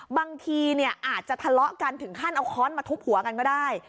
บางทีเนี่ยอาจจะทะเลาะกันถึงขั้นเอาค้อนมาทุบหัวกันก็ได้